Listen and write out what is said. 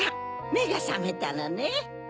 めがさめたのね。